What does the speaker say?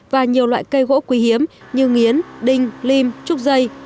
và nhiều loại cây gỗ quý hiếm như nghiến đinh lim trúc dây